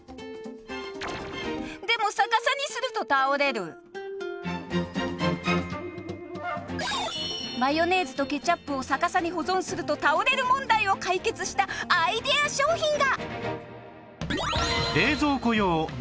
でもマヨネーズとケチャップを逆さに保存すると倒れる問題を解決したアイデア商品が！